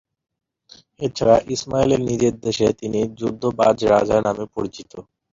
এছাড়া ইসমাইলের নিজের দেশে তিনি ‘যুদ্ধবাজ রাজা’ নামে পরিচিত।